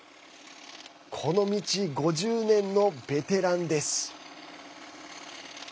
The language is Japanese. この道５０年のベテランです。